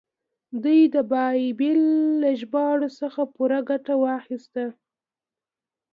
دوی د بایبل له ژباړو څخه پوره ګټه واخیسته.